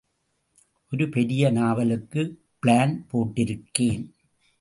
ஒரு பெரிய நாவலுக்குப் பிளான் போட்டிருக்கேன்.